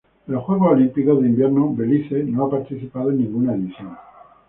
En los Juegos Olímpicos de Invierno Belice no ha participado en ninguna edición.